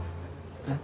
えっ？